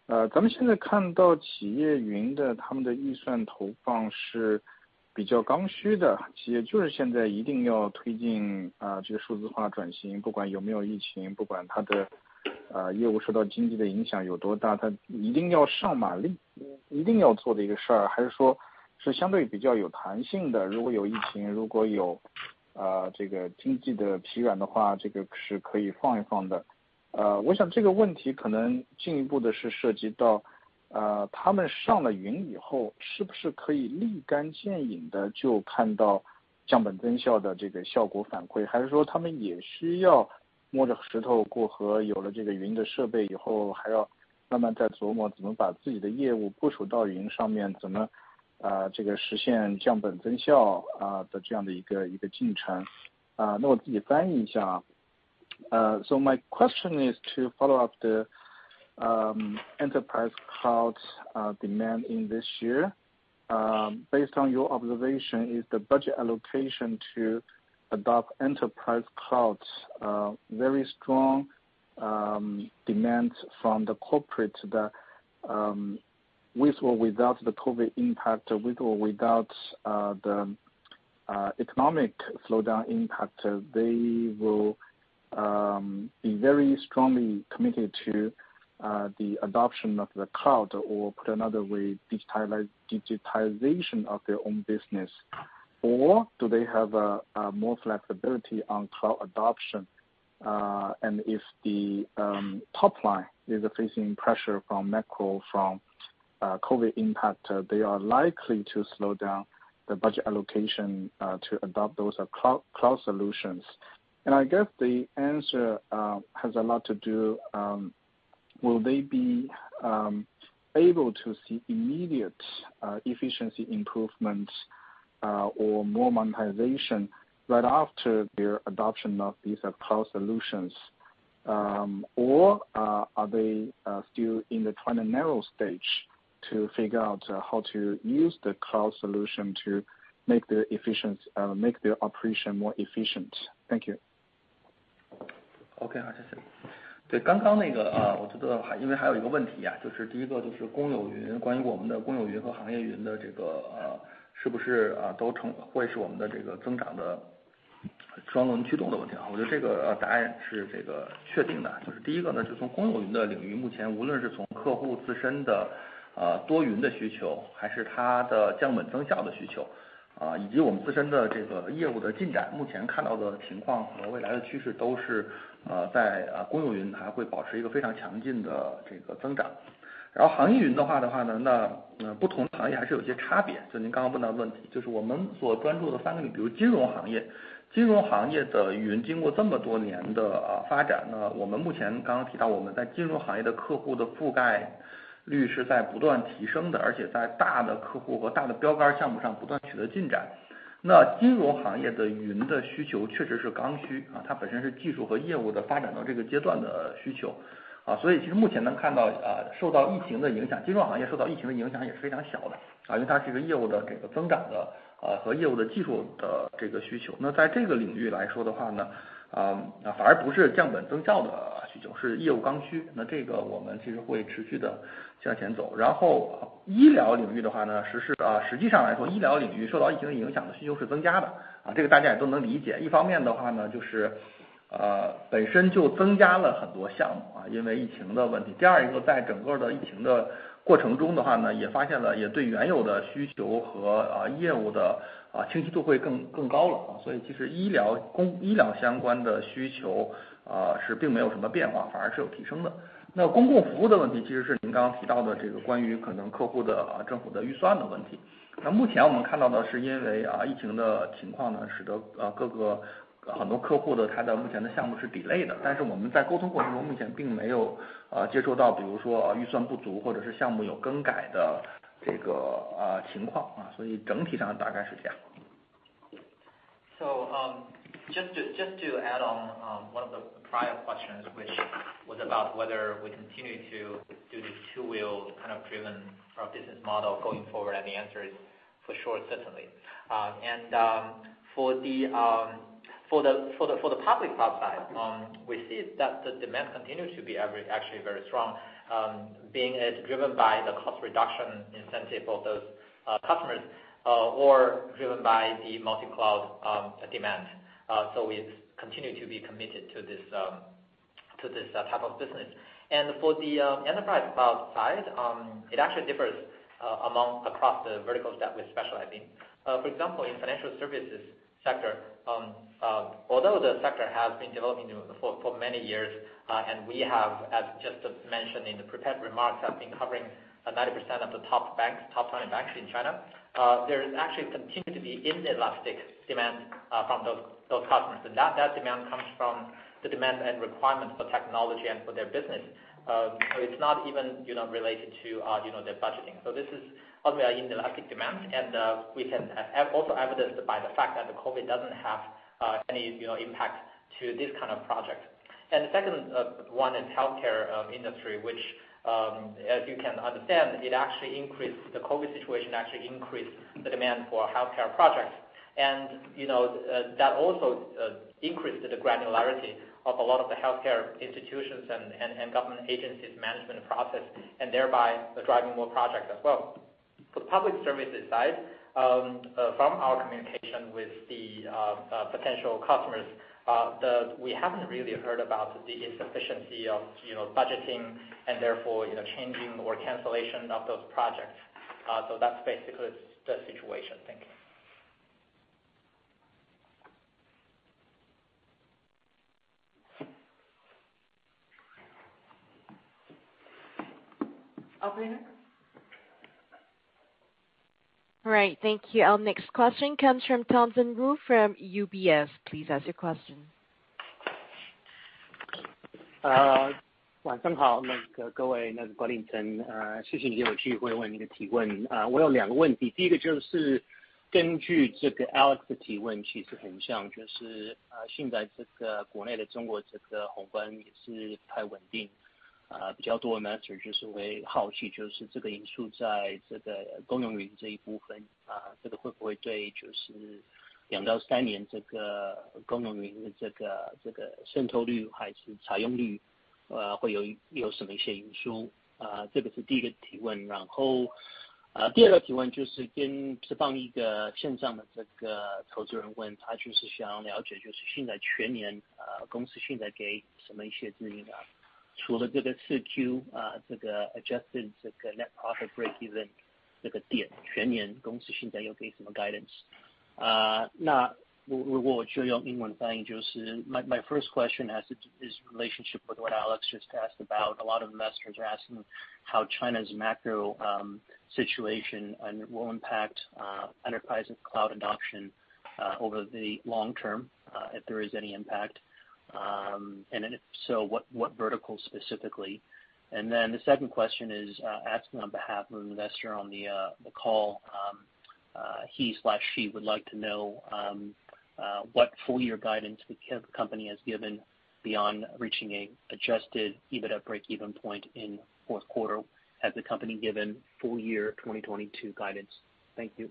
Speaker 11: 谢谢玉林、Henry。我想跟进一下关于企业云的一个问题，就是咱们现在看到企业云的他们的预算投放是比较刚需的，企业就是现在一定要推进这个数字化转型，不管有没有疫情，不管它的业务受到经济的影响有多大，它一定要上马，一定要做的一个事儿，还是说是相对比较有弹性的，如果有疫情，如果有这个经济的疲软的话，这个是可以放一放的。我想这个问题可能进一步的是涉及到他们上了云以后，是不是可以立竿见影地就看到降本增效的这个效果反馈，还是说他们也需要摸着石头过河，有了这个云的设备以后，还要慢慢再琢磨怎么把自己的业务部署到云上面，怎么实现降本增效的这样的一个进程。那我自己翻译一下。So my question is to follow up the enterprise cloud demand in this year. Based on your observation, is the budget allocation to adopt enterprise clouds very strong demand from the corporate that, with or without the COVID impact, with or without the economic slowdown impact, they will be very strongly committed to the adoption of the cloud? Or put another way, digitization of their own business? Or do they have more flexibility on cloud adoption? If the top line is facing pressure from macro, from COVID impact, they are likely to slow down the budget allocation to adopt those cloud solutions. I guess the answer has a lot to do will they be able to see immediate efficiency improvements or more monetization right after their adoption of these cloud solutions? Are they still in the trial-and-error stage to figure out how to use the cloud solution to make their operation more efficient? Thank you.
Speaker 3: Okay. Just to add on one of the prior questions, which was about whether we continue to do the two-wheel kind of driven business model going forward, and the answer is for sure, certainly. And for the public cloud side, we see that the demand continues to be actually very strong, being it driven by the cost reduction incentive of those customers or driven by the multi-cloud demand. So we continue to be committed to this type of business. And for the enterprise cloud side, it actually differs among across the vertical stack with specializing. For example, in financial services sector, although the sector has been developing for many years, and we have, as Henry mentioned in the prepared remarks, have been covering 90% of the top 10 banks in China, there continues to be inelastic demand from those customers. That demand comes from the demand and requirements for technology and for their business. So it's not even, you know, related to, you know, their budgeting. So this is obviously an inelastic demand. This can also be evidenced by the fact that the COVID doesn't have any, you know, impact to this kind of project. The second one is healthcare industry, which, as you can understand, the COVID situation actually increased the demand for healthcare projects. You know, that also increased the granularity of a lot of the healthcare institutions and government agencies management process and thereby driving more projects as well. The public services side, from our communication with the potential customers, we haven't really heard about the insufficiency of, you know, budgeting and therefore, you know, changing or cancellation of those projects. That's basically the situation. Thank you.
Speaker 11: Operator.
Speaker 1: All right. Thank you. Our next question comes from Thompson Wu from UBS. Please ask your question.
Speaker 12: 晚上好，各位，Good evening，谢谢您给我机会问一个提问。我有两个问题，第一个就是根据这个Alex的提问，其实很像，就是现在这个国内的中国这个宏观也是不太稳定，比较多呢，只是会好奇，就是这个因素在这个公有云这一部分，这个会不会对就是两到三年这个公有云的这个渗透率还是采用率，会有什么一些因素？这个是第一个提问。然后第二个提问就是跟释放一个线上的这个投资人问，他就是想要了解，就是现在全年，公司现在给什么一些指引啊，除了这个四Q这个adjusted这个net profit breakeven这个点，全年公司现在要给什么guidance。那我就用英文翻译，就是my first question asked is relationship with what Alex just asked about, a lot of investors are asking how China's macro situation and will impact enterprise cloud adoption over the long term, if there is any impact, and if so, what vertical specifically? And then the second question is asking on behalf of investor on the call, he/she would like to know what full year guidance the company has given beyond reaching an Adjusted EBITDA breakeven point in fourth quarter. Has the company given full year 2022 guidance? Thank you.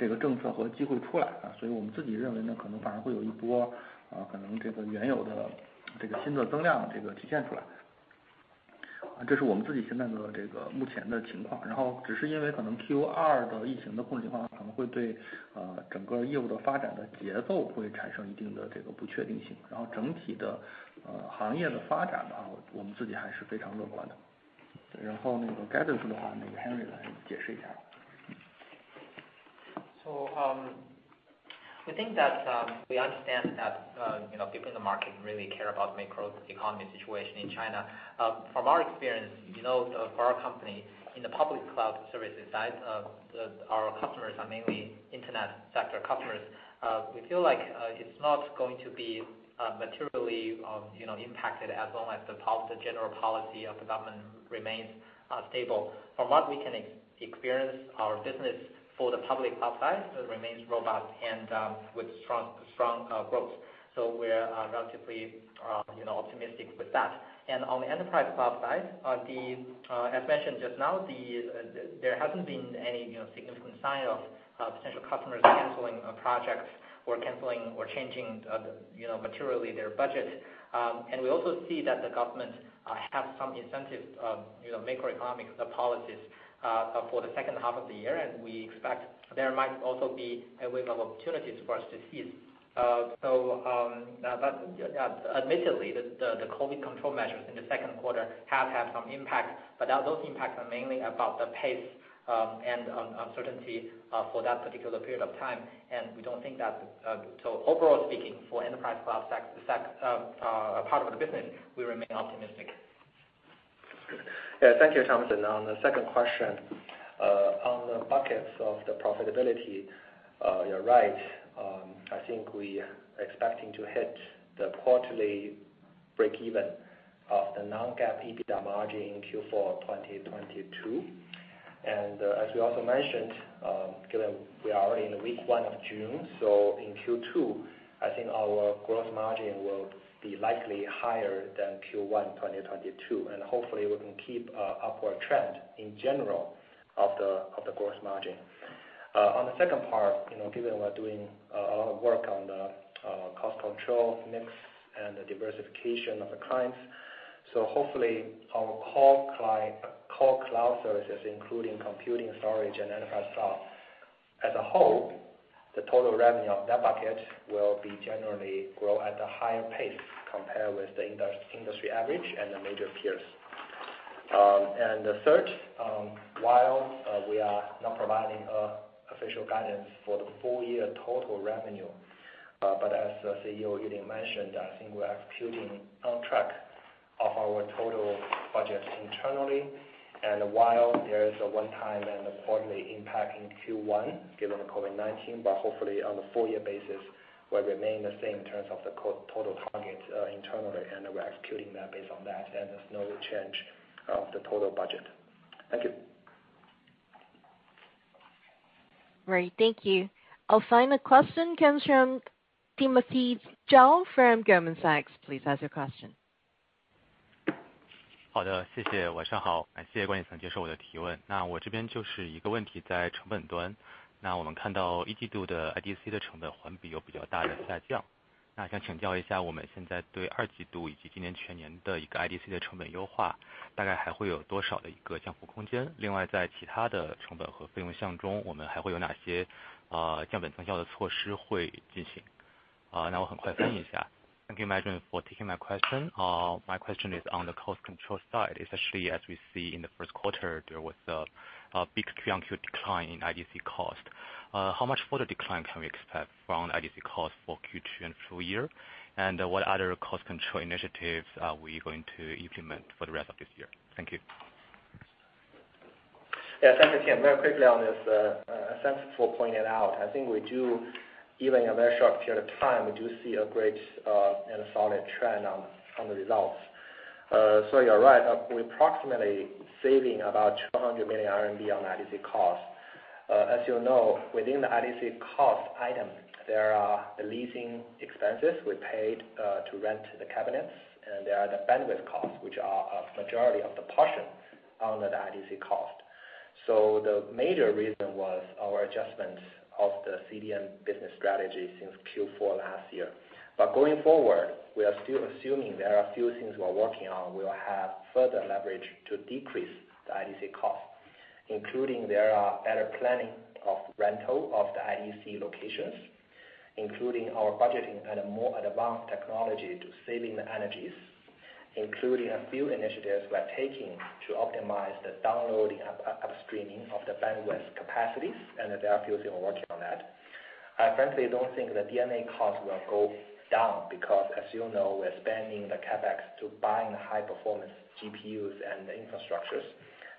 Speaker 4: Q2 的疫情的控制情况，可能会对整个业务的发展的节奏会产生一定的这个不确定性，然后整体的行业的发展的话，我们自己还是非常乐观的。然后那个 guidance 的话，那个 Henry 来解释一下。
Speaker 3: We think that we understand that, you know, people in the market really care about macroeconomic situation in China. From our experience, you know, for our company in the public cloud service side, our customers are mainly internet sector customers, we feel like it's not going to be materially, you know, impacted as long as the general policy of the government remains stable. From what we can see our business for the public cloud side remains robust and with strong growth. We're relatively, you know, optimistic with that. On the enterprise cloud side, as mentioned just now, there hasn't been any, you know, significant sign of potential customers canceling projects or changing, you know, materially their budget. We also see that the government has some incentivizing, you know, macroeconomic policies for the second half of the year, and we expect there might also be a wave of opportunities for us to seize. Admittedly, the COVID control measures in the second quarter have had some impact, but those impacts are mainly about the pace and uncertainty for that particular period of time. We don't think that. Overall speaking, for enterprise cloud services part of the business, we remain optimistic.
Speaker 5: Yeah, thank you, Thompson. On the second question, on the buckets of the profitability. You're right, I think we are expecting to hit the quarterly breakeven of the non-GAAP EBITDA margin in Q4 2022. As we also mentioned, given we are already in week one of June, so in Q2, I think our gross margin will be likely higher than Q1 2022. Hopefully we can keep an upward trend in general of the gross margin. On the second part, you know, given we're doing a lot of work on the cost control, mix and diversification of the clients, so hopefully our core cloud services, including computing, storage and enterprise SaaS as a whole, the total revenue of that bucket will be generally grow at a higher pace compared with the industry average and the major peers. The third, while we are not providing official guidance for the full year total revenue, as CEO Yulin Wang mentioned, I think we are executing on track of our total budget internally. While there is a one-time and quarterly impact in Q1 given the COVID-19, hopefully on the full year basis will remain the same in terms of the total target internally and we are executing that based on that and there's no change of the total budget. Thank you.
Speaker 1: Right. Thank you. Our final question comes from Timothy Zhao from Goldman Sachs. Please ask your question.
Speaker 13: Thank you, management, for taking my question. My question is on the cost control side. Especially as we see in the first quarter, there was a big decline in IDC cost. How much further decline can we expect from IDC cost for Q2 and full-year? What other cost control initiatives are we going to implement for the rest of this year? Thank you.
Speaker 5: Yes, thank you, Tim. Very quickly on this. Thanks for pointing it out. I think even in a very short period of time, we do see a great and a solid trend on the results. So you're right. We're approximately saving about 200 million RMB on IDC cost. As you know, within the IDC cost item, there are the leasing expenses we paid to rent the cabinets, and there are the bandwidth costs, which are a majority of the portion on the IDC cost. The major reason was our adjustment of the CDN business strategy since Q4 last year. Going forward, we are still assuming there are a few things we are working on. We'll have further leverage to decrease the IDC cost, including there are better planning of rental of the IDC locations, including our budgeting and a more advanced technology to saving the energies, including a few initiatives we're taking to optimize the downloading upstream of the bandwidth capacities, and there are a few things we're working on that. I frankly don't think the D&A cost will go down because as you know, we're spending the CapEx to buying high-performance GPUs and infrastructures.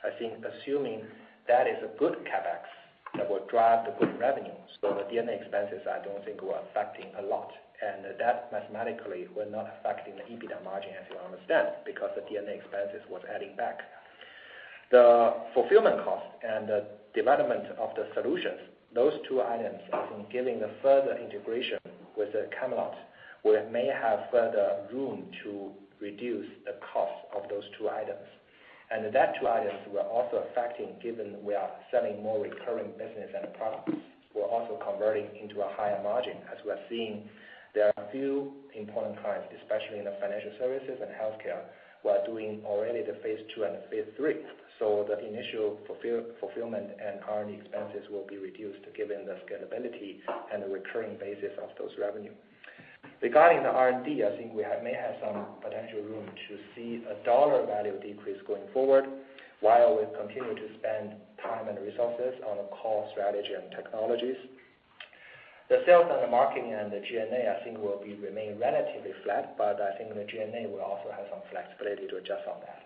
Speaker 5: I think assuming that is a good CapEx that will drive the good revenue. The D&A expenses, I don't think we're affecting a lot, and that mathematically, we're not affecting the EBITDA margin, as you understand, because the D&A expenses was adding back. The fulfillment cost and the development of the solutions, those two items, I think given the further integration with Camelot, we may have further room to reduce the cost of those two items. Those two items are also benefiting, given we are selling more recurring business and products, we're also converting into a higher margin. As we are seeing, there are a few important clients, especially in the financial services and healthcare, who are doing already the phase II and phase III. The initial fulfillment and R&D expenses will be reduced given the scalability and the recurring basis of those revenue. Regarding the R&D, I think we may have some potential room to see a dollar value decrease going forward, while we continue to spend time and resources on the core strategy and technologies. The sales and the marketing and the G&A, I think will be remain relatively flat, but I think the G&A will also have some flexibility to adjust on that.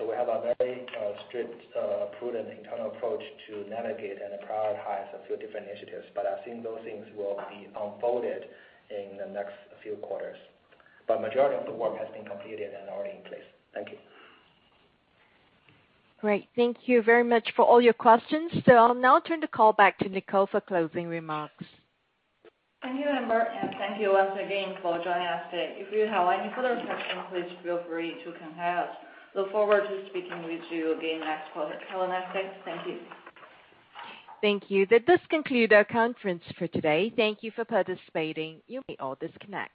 Speaker 5: We have a very, strict, prudent internal approach to navigate and prioritize a few different initiatives, but I think those things will be unfolded in the next few quarters. Majority of the work has been completed and already in place. Thank you.
Speaker 1: Great. Thank you very much for all your questions. I'll now turn the call back to Nicole for closing remarks.
Speaker 2: Thank you, Amber, and thank you once again for joining us today. If you have any further questions, please feel free to contact us. Look forward to speaking with you again next quarter. Have a nice day. Thank you.
Speaker 1: Thank you. That does conclude our conference for today. Thank you for participating. You may all disconnect.